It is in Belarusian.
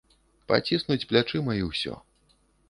Паціснуць плячыма і ўсё.